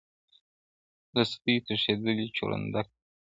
له سدیو تښتېدلی چوروندک دی-